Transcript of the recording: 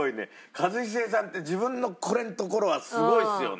一茂さんって自分のこれのところはすごいですよね。